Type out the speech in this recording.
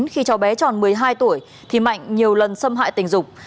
khi cháu bé tròn một mươi hai tuổi thì mạnh nhiều lần xâm hại tình dục